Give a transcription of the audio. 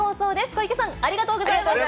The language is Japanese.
小池さん、ありがとうございました。